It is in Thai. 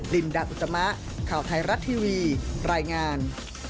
ลินดาอุตมะข่าวไทยรัฐทีวีรายงาน